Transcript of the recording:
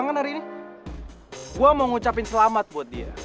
gue mau ngucapin selamat buat dia